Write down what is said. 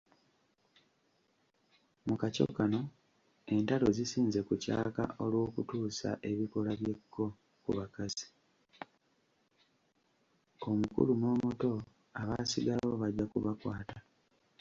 Omukulu n'omuto abaasigalawo bajja kubakwata.